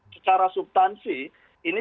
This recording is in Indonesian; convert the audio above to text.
secara subtansi ini